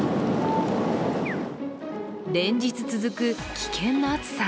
連日続く、危険な暑さ。